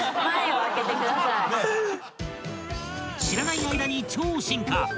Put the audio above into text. ［知らない間に超進化！］